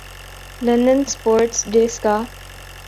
London sports ڈیسکا